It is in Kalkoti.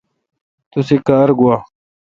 توسی کار گوا۔